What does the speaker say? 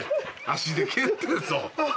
足で蹴ってるぞ。